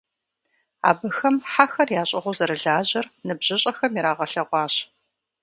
Абыхэм хьэхэр ящӀыгъуу зэрылажьэр ныбжьыщӀэхэм ирагъэлъэгъуащ.